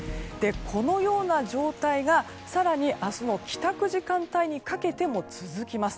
このような状態が、更に明日の帰宅時間帯にかけても続きます。